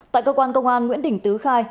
tại cơ quan công an nguyễn đình tứ khai